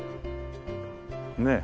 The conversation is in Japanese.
ねえ。